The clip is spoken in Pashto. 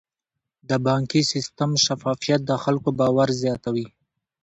د بانکي سیستم شفافیت د خلکو باور زیاتوي.